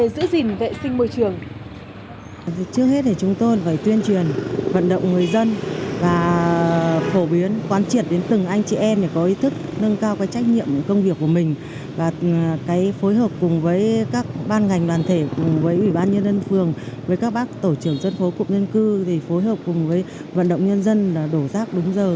điều này chứng tỏ một bộ phận không nhỏ người dân thành phố vẫn chưa có ý thức chấp hành pháp luật về giữ gìn vệ sinh môi trường